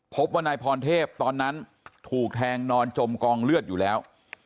พบว่านายพรเทพตอนนั้นถูกแทงนอนจมกองเลือดอยู่แล้ว